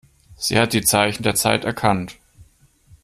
Sie hat die Zeichen der Zeit erkannt.